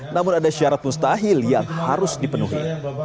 namun ada syarat mustahil yang harus dipenuhi